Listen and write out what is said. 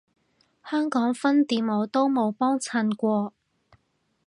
香港分店我都冇幫襯過